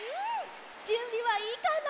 じゅんびはいいかな？